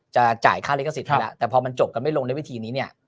จ่ายค่าลิขสิทธิ์ให้แล้วแต่พอมันจบกันไม่ลงในวิธีนี้เนี่ย